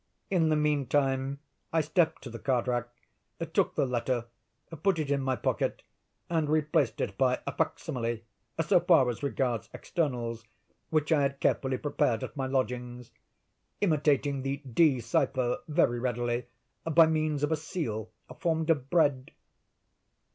In the meantime, I stepped to the card rack, took the letter, put it in my pocket, and replaced it by a fac simile, (so far as regards externals,) which I had carefully prepared at my lodgings—imitating the D—— cipher, very readily, by means of a seal formed of bread.